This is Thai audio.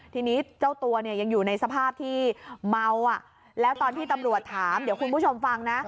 ทีนี้เจ้าตัวเนี่ยยังอยู่ในสภาพที่เมาอ่ะแล้วตอนที่ตำรวจถามเดี๋ยวคุณผู้ชมฟังนะ